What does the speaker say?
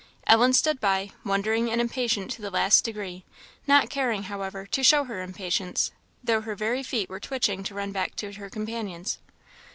Ellen stood by, wondering and impatient to the last degree; not caring, however, to show her impatience, though her very feet were twitching to run back to her companions.